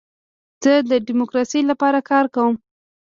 زه د ډیموکراسۍ لپاره کار کوم.